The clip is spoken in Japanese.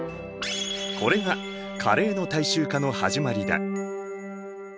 これがカレーの大衆化の始まりだ。